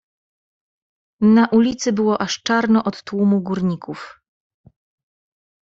"Na ulicy było aż czarno od tłumu, górników."